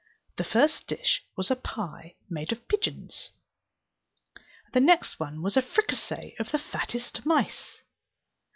The first dish was a pie made of young pigeons, and the next was a fricassee of the fattest mice.